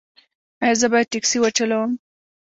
ایا زه باید ټکسي وچلوم؟